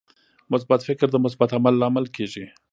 مثبت فکر د مثبت عمل لامل کیږي.